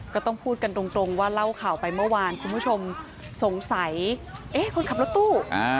ก็ต้องพูดกันตรงว่าเล่าข่าวไปเมื่อวานคุณผู้ชมสงสัยเอ๊ะคนขับรถตู้